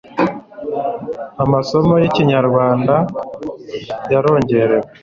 amasomo y' Ikinyarwanda yarongerewe